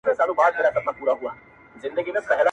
په دا تش دیدن به ولي خپل زړګی خوشالومه.!